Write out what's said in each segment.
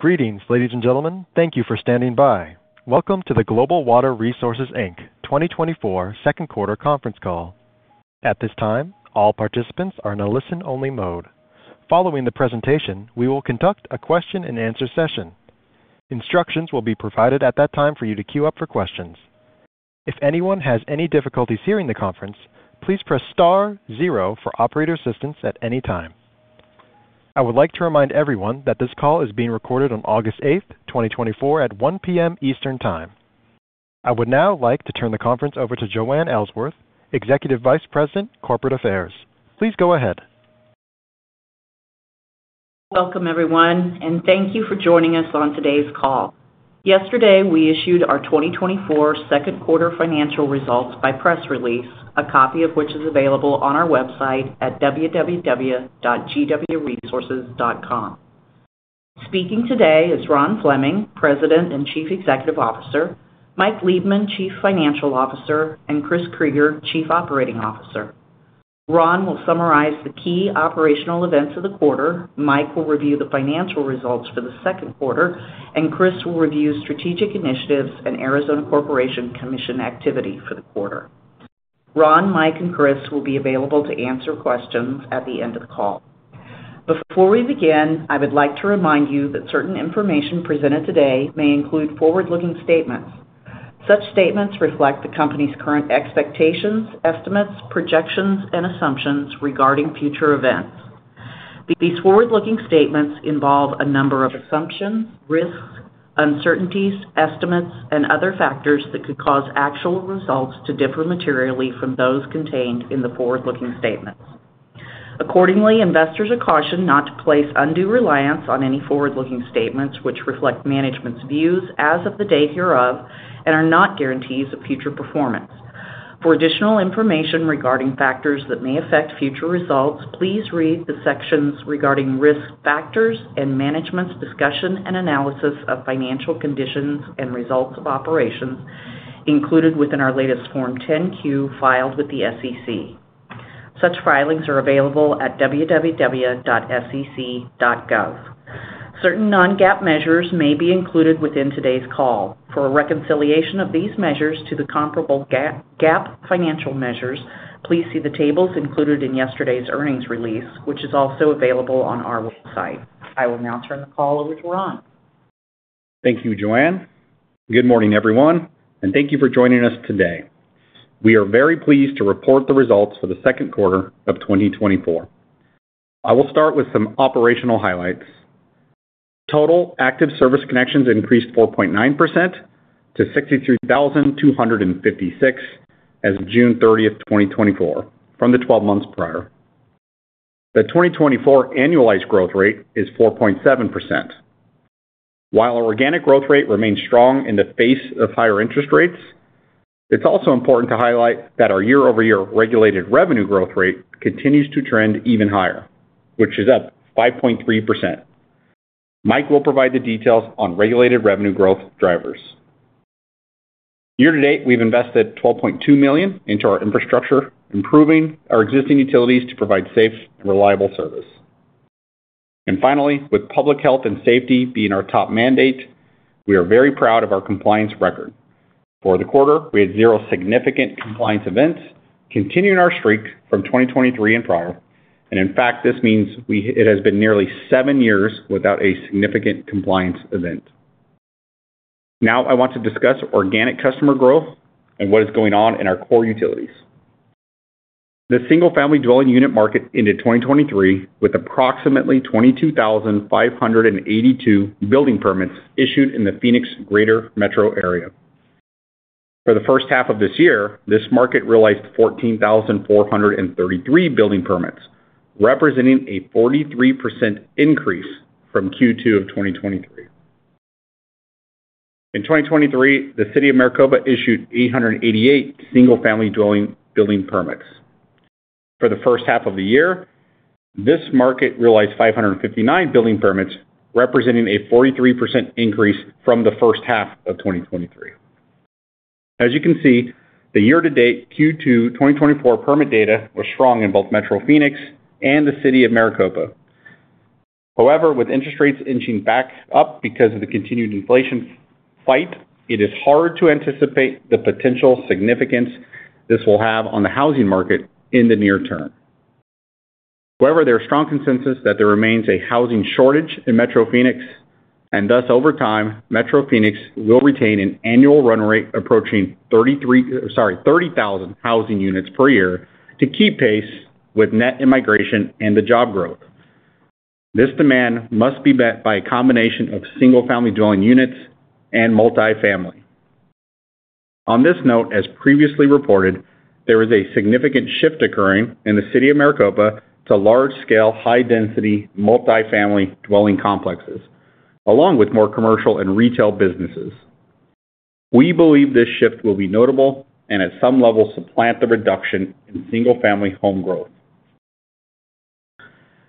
Greetings, ladies and gentlemen. Thank you for standing by. Welcome to the Global Water Resources, Inc. 2024 Second Quarter Conference Call. At this time, all participants are in a listen-only mode. Following the presentation, we will conduct a question-and-answer session. Instructions will be provided at that time for you to queue up for questions. If anyone has any difficulty hearing the conference, please press star zero for operator assistance at any time. I would like to remind everyone that this call is being recorded on August 8, 2024, at 1:00 P.M. Eastern Time. I would now like to turn the conference over to Joanne Ellsworth, Executive Vice President, Corporate Affairs. Please go ahead. Welcome, everyone, and thank you for joining us on today's call. Yesterday, we issued our 2024 second quarter financial results by press release, a copy of which is available on our website at www.gwresources.com. Speaking today is Ron Fleming, President and Chief Executive Officer, Mike Liebman, Chief Financial Officer, and Chris Krieger, Chief Operating Officer. Ron will summarize the key operational events of the quarter, Mike will review the financial results for the second quarter, and Chris will review strategic initiatives and Arizona Corporation Commission activity for the quarter. Ron, Mike, and Chris will be available to answer questions at the end of the call. Before we begin, I would like to remind you that certain information presented today may include forward-looking statements. Such statements reflect the company's current expectations, estimates, projections, and assumptions regarding future events. These forward-looking statements involve a number of assumptions, risks, uncertainties, estimates, and other factors that could cause actual results to differ materially from those contained in the forward-looking statements. Accordingly, investors are cautioned not to place undue reliance on any forward-looking statements which reflect management's views as of the date hereof and are not guarantees of future performance. For additional information regarding factors that may affect future results, please read the sections regarding risk factors and management's discussion and analysis of financial conditions and results of operations included within our latest Form 10-Q filed with the SEC. Such filings are available at www.sec.gov. Certain non-GAAP measures may be included within today's call. For a reconciliation of these measures to the comparable GAAP, GAAP financial measures, please see the tables included in yesterday's earnings release, which is also available on our website. I will now turn the call over to Ron. Thank you, Joanne. Good morning, everyone, and thank you for joining us today. We are very pleased to report the results for the second quarter of 2024. I will start with some operational highlights. Total active service connections increased 4.9% to 63,256 as of June 30, 2024, from the twelve months prior. The 2024 annualized growth rate is 4.7%. While our organic growth rate remains strong in the face of higher interest rates, it's also important to highlight that our year-over-year regulated revenue growth rate continues to trend even higher, which is up 5.3%. Mike will provide the details on regulated revenue growth drivers. Year to date, we've invested $12.2 million into our infrastructure, improving our existing utilities to provide safe and reliable service. And finally, with public health and safety being our top mandate, we are very proud of our compliance record. For the quarter, we had zero significant compliance events, continuing our streak from 2023 and prior. And in fact, this means it has been nearly seven years without a significant compliance event. Now, I want to discuss organic customer growth and what is going on in our core utilities. The single-family dwelling unit market ended 2023 with approximately 22,582 building permits issued in the Phoenix Greater metro area. For the first half of this year, this market realized 14,433 building permits, representing a 43% increase from Q2 of 2023. In 2023, the City of Maricopa issued 888 single-family dwelling building permits. For the first half of the year, this market realized 559 building permits, representing a 43% increase from the first half of 2023. As you can see, the year-to-date Q2 2024 permit data was strong in both metro Phoenix and the city of Maricopa. However, with interest rates inching back up because of the continued inflation fight, it is hard to anticipate the potential significance this will have on the housing market in the near term. However, there is strong consensus that there remains a housing shortage in metro Phoenix, and thus, over time, metro Phoenix will retain an annual run rate approaching 33, sorry, 30,000 housing units per year to keep pace with net immigration and the job growth. This demand must be met by a combination of single-family dwelling units and multifamily. On this note, as previously reported, there is a significant shift occurring in the City of Maricopa to large-scale, high-density, multifamily dwelling complexes, along with more commercial and retail businesses. We believe this shift will be notable and, at some level, supplant the reduction in single-family home growth.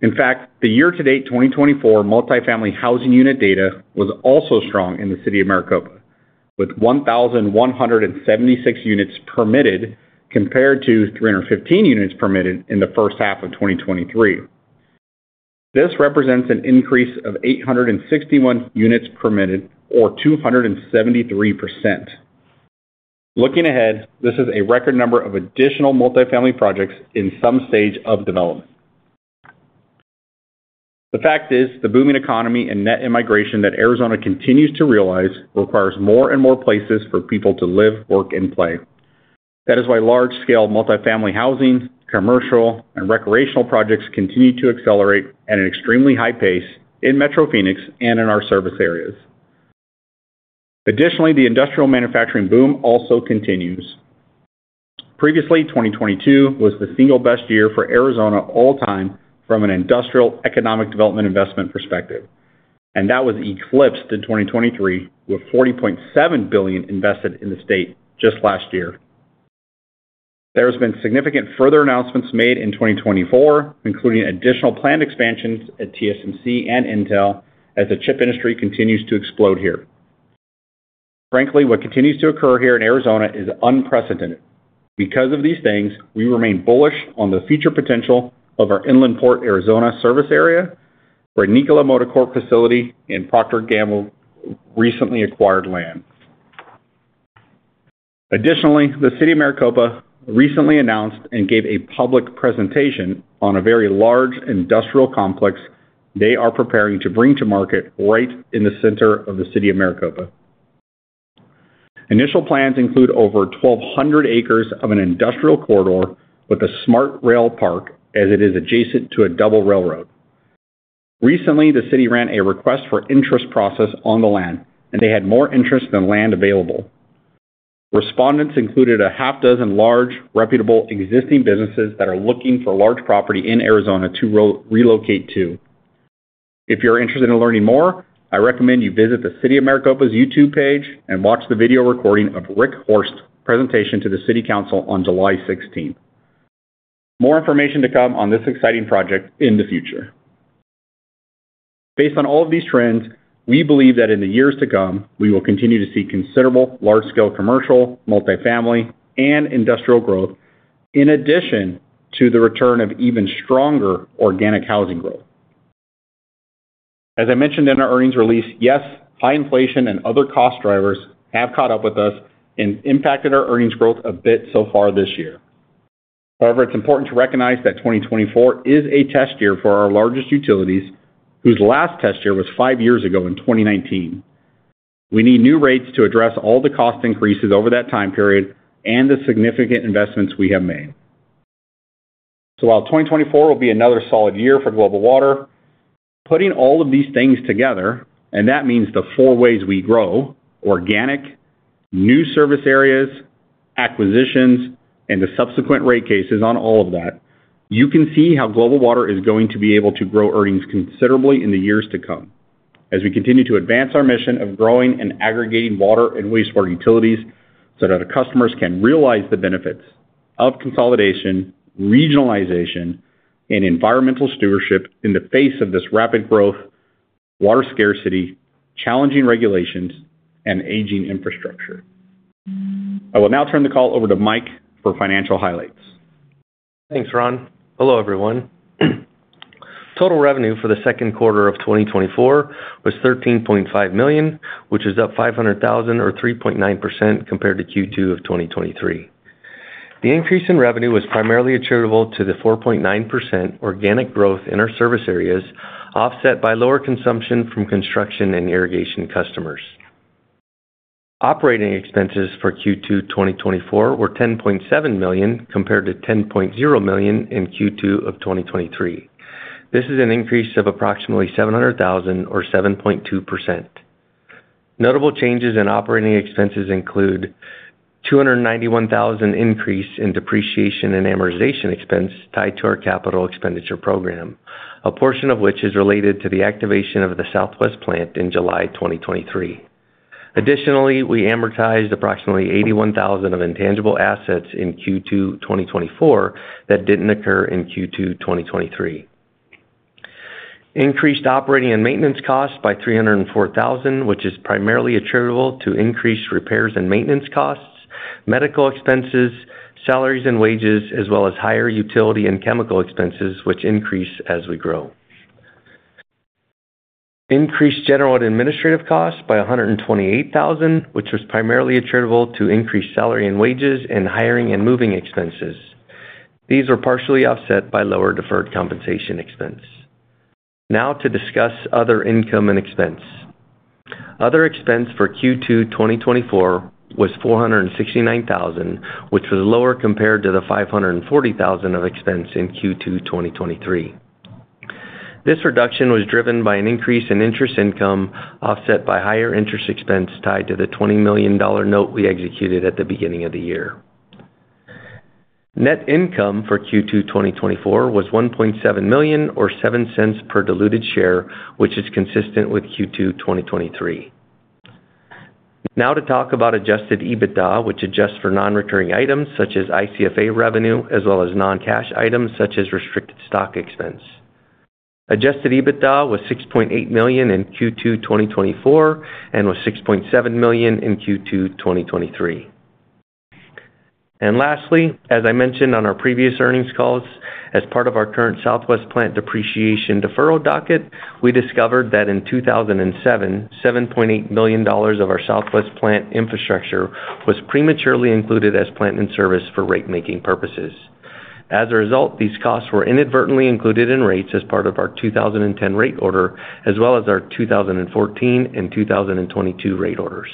In fact, the year-to-date 2024 multifamily housing unit data was also strong in the City of Maricopa, with 1,176 units permitted compared to 315 units permitted in the first half of 2023. This represents an increase of 861 units permitted or 273%. Looking ahead, this is a record number of additional multifamily projects in some stage of development. The fact is, the booming economy and net immigration that Arizona continues to realize requires more and more places for people to live, work, and play. That is why large-scale multifamily housing, commercial, and recreational projects continue to accelerate at an extremely high pace in metro Phoenix and in our service areas. Additionally, the industrial manufacturing boom also continues. Previously, 2022 was the single best year for Arizona all time from an industrial economic development investment perspective, and that was eclipsed in 2023, with $40.7 billion invested in the state just last year. There has been significant further announcements made in 2024, including additional planned expansions at TSMC and Intel as the chip industry continues to explode here. Frankly, what continues to occur here in Arizona is unprecedented. Because of these things, we remain bullish on the future potential of our Inland Port Arizona service area, where Nikola Corporation facility and Procter & Gamble recently acquired land. Additionally, the City of Maricopa recently announced and gave a public presentation on a very large industrial complex they are preparing to bring to market right in the center of the City of Maricopa. Initial plans include over 1,200 acres of an industrial corridor with a smart rail park, as it is adjacent to a double railroad. Recently, the city ran a request for interest process on the land, and they had more interest than land available. Respondents included a half dozen large, reputable, existing businesses that are looking for large property in Arizona to relocate to. If you're interested in learning more, I recommend you visit the City of Maricopa's YouTube page and watch the video recording of Rick Horst's presentation to the City Council on July 16th. More information to come on this exciting project in the future. Based on all of these trends, we believe that in the years to come, we will continue to see considerable large-scale commercial, multifamily, and industrial growth, in addition to the return of even stronger organic housing growth. As I mentioned in our earnings release, yes, high inflation and other cost drivers have caught up with us and impacted our earnings growth a bit so far this year. However, it's important to recognize that 2024 is a test year for our largest utilities, whose last test year was five years ago in 2019. We need new rates to address all the cost increases over that time period and the significant investments we have made. So while 2024 will be another solid year for Global Water, putting all of these things together, and that means the four ways we grow: organic, new service areas, acquisitions, and the subsequent rate cases on all of that, you can see how Global Water is going to be able to grow earnings considerably in the years to come, as we continue to advance our mission of growing and aggregating water and wastewater utilities so that our customers can realize the benefits of consolidation, regionalization, and environmental stewardship in the face of this rapid growth, water scarcity, challenging regulations, and aging infrastructure. I will now turn the call over to Mike for financial highlights. Thanks, Ron. Hello, everyone. Total revenue for the second quarter of 2024 was $13.5 million, which is up $500,000 or 3.9% compared to Q2 of 2023. The increase in revenue was primarily attributable to the 4.9% organic growth in our service areas, offset by lower consumption from construction and irrigation customers. Operating expenses for Q2, 2024 were $10.7 million, compared to $10.0 million in Q2 of 2023. This is an increase of approximately $700,000 or 7.2%. Notable changes in operating expenses include $291,000 increase in depreciation and amortization expense tied to our capital expenditure program, a portion of which is related to the activation of the Southwest plant in July 2023. Additionally, we amortized approximately $81,000 of intangible assets in Q2 2024, that didn't occur in Q2 2023. Increased operating and maintenance costs by $304,000, which is primarily attributable to increased repairs and maintenance costs, medical expenses, salaries and wages, as well as higher utility and chemical expenses, which increase as we grow. Increased general and administrative costs by $128,000, which was primarily attributable to increased salary and wages and hiring and moving expenses. These were partially offset by lower deferred compensation expense. Now to discuss other income and expense. Other expense for Q2 2024 was $469,000, which was lower compared to the $540,000 of expense in Q2 2023. This reduction was driven by an increase in interest income, offset by higher interest expense tied to the $20 million note we executed at the beginning of the year. Net income for Q2 2024 was $1.7 million, or $0.07 per diluted share, which is consistent with Q2 2023. Now to talk about Adjusted EBITDA, which adjusts for non-recurring items such as ICFA revenue, as well as non-cash items such as restricted stock expense....Adjusted EBITDA was $6.8 million in Q2 2024 and was $6.7 million in Q2 2023. And lastly, as I mentioned on our previous earnings calls, as part of our current Southwest Plant depreciation deferral docket, we discovered that in 2007, $7.8 million of our Southwest Plant infrastructure was prematurely included as plant and service for rate-making purposes. As a result, these costs were inadvertently included in rates as part of our 2010 rate order, as well as our 2014 and 2022 rate orders.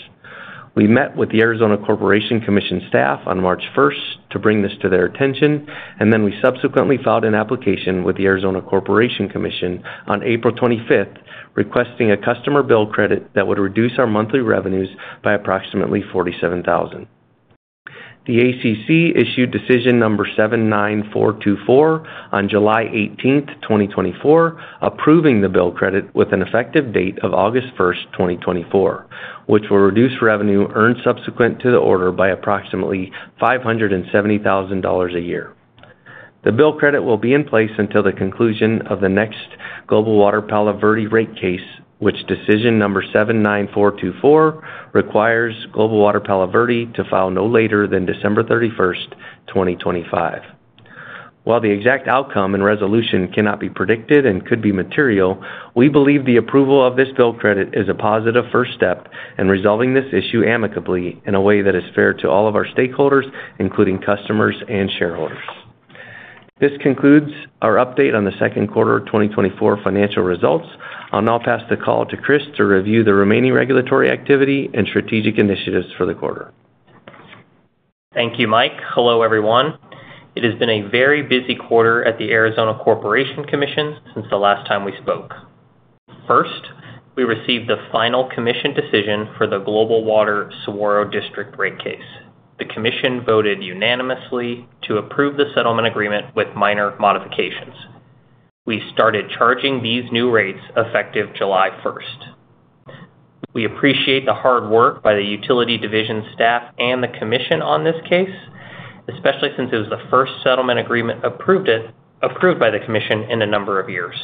We met with the Arizona Corporation Commission staff on March 1 to bring this to their attention, and then we subsequently filed an application with the Arizona Corporation Commission on April 25, requesting a customer bill credit that would reduce our monthly revenues by approximately $47,000. The ACC issued decision number 79424 on July 18, 2024, approving the bill credit with an effective date of August 1, 2024, which will reduce revenue earned subsequent to the order by approximately $570,000 a year. The bill credit will be in place until the conclusion of the next Global Water Palo Verde rate case, which decision number 79424, requires Global Water Palo Verde to file no later than December 31, 2025. While the exact outcome and resolution cannot be predicted and could be material, we believe the approval of this bill credit is a positive first step in resolving this issue amicably in a way that is fair to all of our stakeholders, including customers and shareholders. This concludes our update on the second quarter of 2024 financial results. I'll now pass the call to Chris to review the remaining regulatory activity and strategic initiatives for the quarter. Thank you, Mike. Hello, everyone. It has been a very busy quarter at the Arizona Corporation Commission since the last time we spoke. First, we received the final commission decision for the Global Water Saguaro District rate case. The commission voted unanimously to approve the settlement agreement with minor modifications. We started charging these new rates effective July 1. We appreciate the hard work by the utility division staff and the commission on this case, especially since it was the first settlement agreement approved by the commission in a number of years.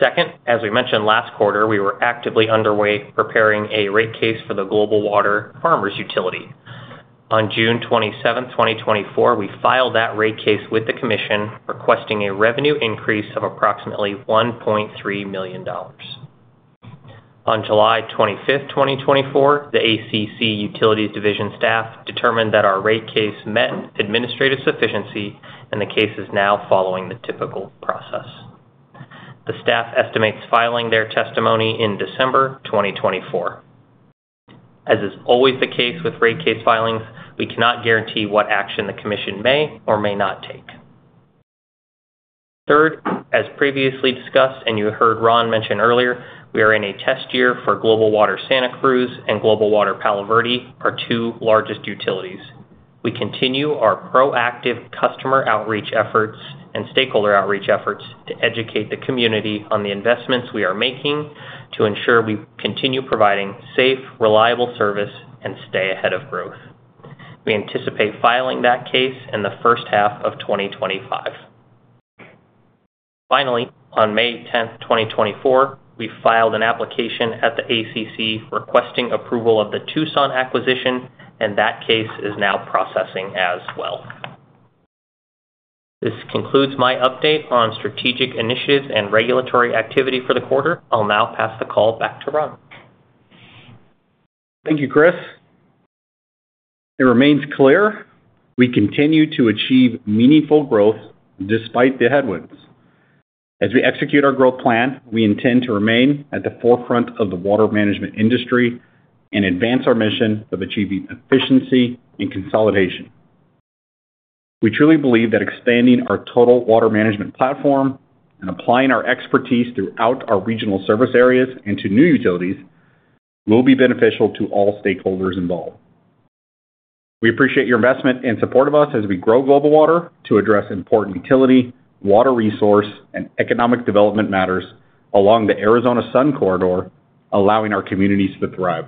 Second, as we mentioned last quarter, we were actively underway preparing a rate case for the Global Water Farmers utility. On June 27, 2024, we filed that rate case with the commission, requesting a revenue increase of approximately $1.3 million. On July 25, 2024, the ACC Utilities division staff determined that our rate case met administrative sufficiency, and the case is now following the typical process. The staff estimates filing their testimony in December 2024. As is always the case with rate case filings, we cannot guarantee what action the commission may or may not take. Third, as previously discussed, and you heard Ron mention earlier, we are in a test year for Global Water Santa Cruz and Global Water Palo Verde, our two largest utilities. We continue our proactive customer outreach efforts and stakeholder outreach efforts to educate the community on the investments we are making to ensure we continue providing safe, reliable service and stay ahead of growth. We anticipate filing that case in the first half of 2025. Finally, on May 10, 2024, we filed an application at the ACC requesting approval of the Tucson acquisition, and that case is now processing as well. This concludes my update on strategic initiatives and regulatory activity for the quarter. I'll now pass the call back to Ron. Thank you, Chris. It remains clear we continue to achieve meaningful growth despite the headwinds. As we execute our growth plan, we intend to remain at the forefront of the water management industry and advance our mission of achieving efficiency and consolidation. We truly believe that expanding our total water management platform and applying our expertise throughout our regional service areas into new utilities will be beneficial to all stakeholders involved. We appreciate your investment and support of us as we grow Global Water to address important utility, water resource, and economic development matters along the Arizona Sun Corridor, allowing our communities to thrive.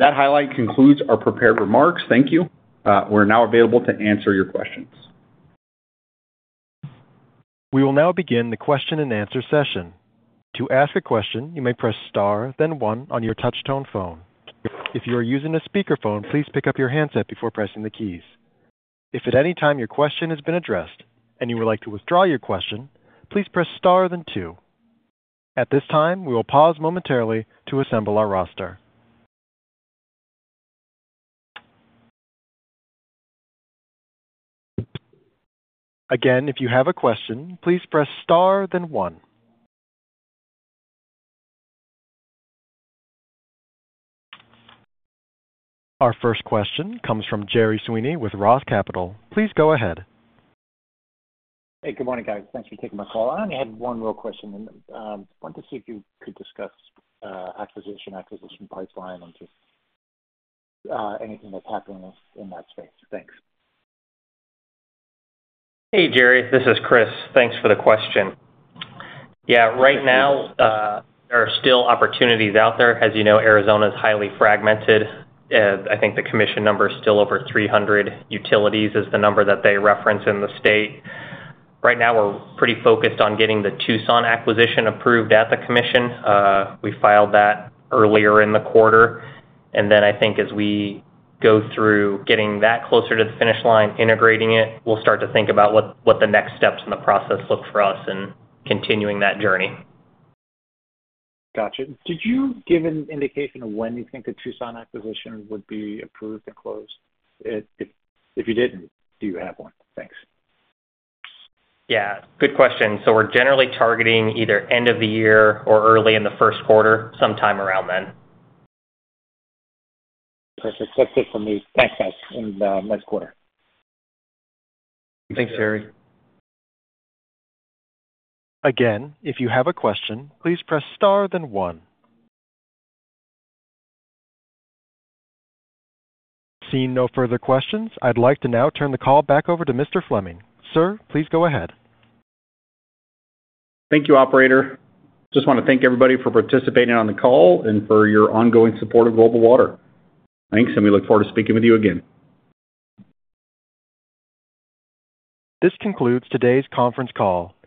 That highlight concludes our prepared remarks. Thank you. We're now available to answer your questions. We will now begin the question-and-answer session. To ask a question, you may press Star, then one on your touch tone phone. If you are using a speakerphone, please pick up your handset before pressing the keys. If at any time your question has been addressed and you would like to withdraw your question, please press Star then two. At this time, we will pause momentarily to assemble our roster. Again, if you have a question, please press Star then one. Our first question comes from Gerry Sweeney with Roth Capital. Please go ahead. Hey, good morning, guys. Thanks for taking my call. I only had one real question, and wanted to see if you could discuss acquisition pipeline and just anything that's happening in that space. Thanks. Hey, Gerry, this is Chris. Thanks for the question. Yeah, right now, there are still opportunities out there. As you know, Arizona is highly fragmented, and I think the commission number is still over 300 utilities, is the number that they reference in the state. Right now, we're pretty focused on getting the Tucson acquisition approved at the commission. We filed that earlier in the quarter, and then I think as we go through getting that closer to the finish line, integrating it, we'll start to think about what, what the next steps in the process look for us in continuing that journey. Gotcha. Did you give an indication of when you think the Tucson acquisition would be approved and closed? If, if you didn't, do you have one? Thanks. Yeah, good question. So we're generally targeting either end of the year or early in the first quarter, sometime around then. That's it for me. Thanks, guys, and, nice quarter. Thanks, Gerry. Again, if you have a question, please press Star, then one. Seeing no further questions, I'd like to now turn the call back over to Mr. Fleming. Sir, please go ahead. Thank you, operator. Just want to thank everybody for participating on the call and for your ongoing support of Global Water. Thanks, and we look forward to speaking with you again. This concludes today's conference call.